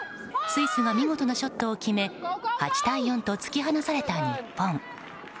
スイスが見事なショットを決め８対４と突き放された日本。